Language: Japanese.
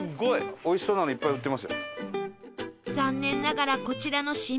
残念ながらこちらのしんま